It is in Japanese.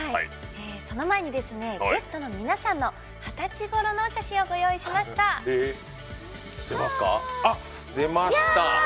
その前にゲストの皆さんの二十歳ごろのお写真をご用意しました。